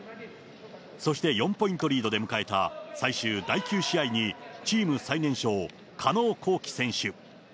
そして４ポイントリードで迎えた最終第９試合に、チーム最年少、加納虹輝選手。